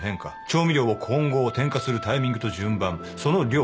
調味料を混合添加するタイミングと順番その量。